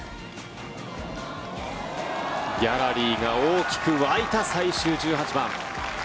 ギャラリーが大きく沸いた最終１８番。